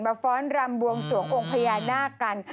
ฟ้อนรำบวงสวงองค์พญานาคกัน